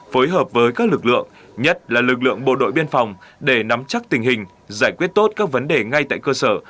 phối hợp với các lực lượng nhất là lực lượng bộ đội biên phòng để nắm chắc tình hình giải quyết tốt các vấn đề ngay tại cơ sở